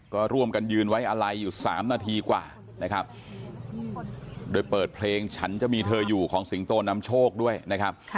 ก็ร่วมกันยืนไว้อะไรอยู่๓นาทีกว่านะครับโดยเปิดเพลงฉันจะมีเธออยู่ของสิงโตนำโชคด้วยนะครับ